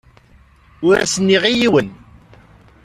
Ur as-nniɣ i yiwen.